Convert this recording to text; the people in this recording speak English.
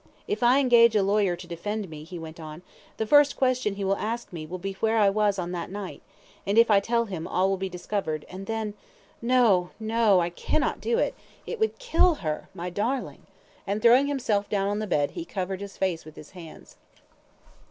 If I engage a lawyer to defend me," he went on, "the first question he will ask me will be where was I on that night, and if I tell him all will be discovered, and then no no I cannot do it; it would kill her, my darling," and throwing himself down on the bed, he covered his face with his hands.